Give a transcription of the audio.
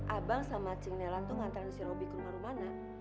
abang sama cing nela tuh ngantarin si robi ke rumah rumana